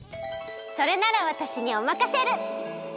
それならわたしにおまかシェル。